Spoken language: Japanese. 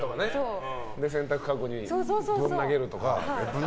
洗濯籠にぶん投げるとか。